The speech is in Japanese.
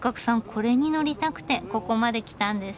これに乗りたくてここまで来たんです。